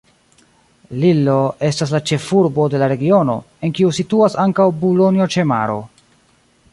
Lillo estas la ĉefurbo de la regiono, en kiu situas ankaŭ Bulonjo-ĉe-Maro.